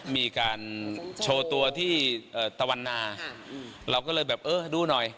มีการโชว์ตัวที่ตะวันนาเราก็เลยแบบเออดูหน่อย